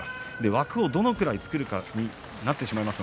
枠をどれくらい作るかになってしまいます。